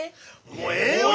もうええわ！